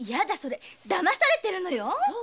だまされてるのよ。